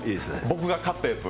僕が勝ったやつ。